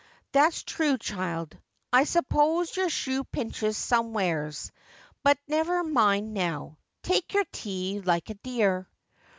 ' That's true, child. I suppose your shoe pinched somewheres. But never mind now. Take your tea like a dear.'